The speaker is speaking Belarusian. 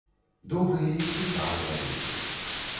Добрыя і цікавыя людзі.